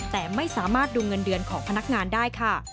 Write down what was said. แต่ไม่สามารถดูเงินเดือนของพนักงานได้ค่ะ